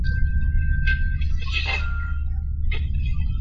瑟丰德。